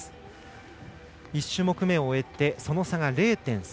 １種目めを終えてその差が０．３００。